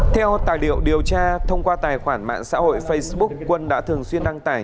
theo tài liệu điều tra thông qua tài khoản mạng xã hội facebook quân đã thường xuyên đăng tải